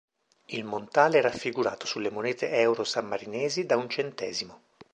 Il Montale è raffigurato sulle monete euro sammarinesi da un centesimo.